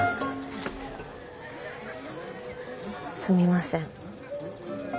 すみません。